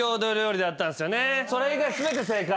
それ以外全て正解。